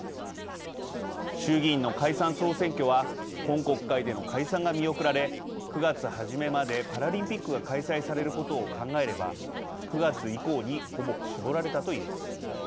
衆議院の解散、総選挙は今国会での解散が見送られ９月初めまでパラリンピックが開催されることを考えれば９月以降にほぼ絞られたと言えます。